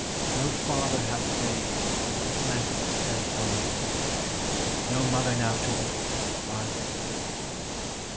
No father had the babe To bless his bed forlorn; No mother now to weep By the thorn.